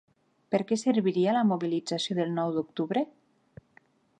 Per què serviria la mobilització del Nou d'Octubre?